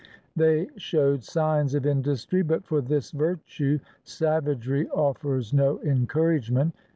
They showed signs of industry, but for this virtue savagery offers no encouragement.